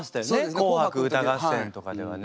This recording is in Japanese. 「紅白歌合戦」とかではね。